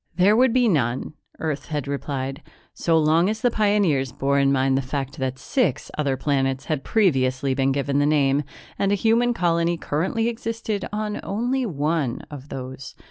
There would be none, Earth had replied, so long as the pioneers bore in mind the fact that six other planets had previously been given that name, and a human colony currently existed on only one of those.